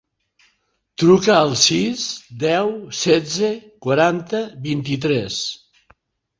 Truca al sis, deu, setze, quaranta, vint-i-tres.